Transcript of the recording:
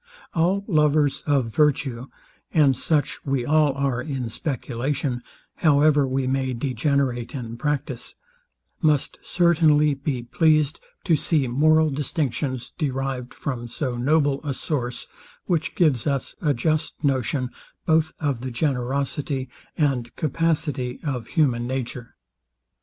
All lovers of virtue (and such we all are in speculation, however we may degenerate in practice) must certainly be pleased to see moral distinctions derived from so noble a source, which gives us a just notion both of the generosity and capacity of human nature.